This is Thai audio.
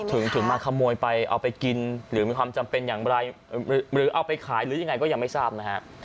ถึงมาขโมยไปเอาไปกินหรือมีความจำเป็นอย่างไรหรือเอาไปขายหรือยังไงก็ยังไม่ทราบนะฮะ